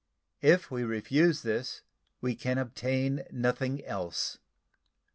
If we refuse this, we can obtain nothing else.